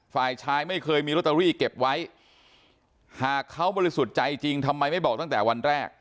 ฝ่ายชายไม่เคยมีลอตเตอรี่เก็บไว้หากเขาบริสุทธิ์ใจจริงทำไมไม่บอกตั้งแต่วันแรก